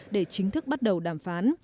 để chính thức bắt đầu đàm phán